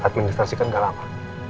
administrasi kan gak lama